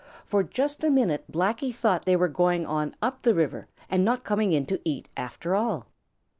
For just a minute Blacky thought they were going on up the river and not coming in to eat, after all.